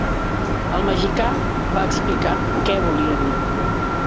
El mexicà va explicar què volia dir.